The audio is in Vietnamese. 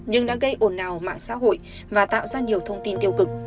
nhưng đã gây ồn ào mạng xã hội và tạo ra nhiều thông tin tiêu cực